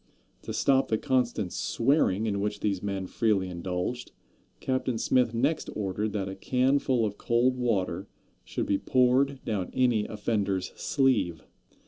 To stop the constant swearing in which these men freely indulged, Captain Smith next ordered that a canful of cold water should be poured down any offender's sleeve.